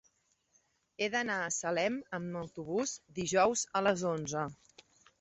He d'anar a Salem amb autobús dijous a les onze.